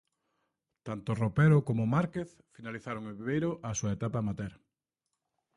Tanto Ropero como Márquez finalizaron en Viveiro a súa etapa amateur.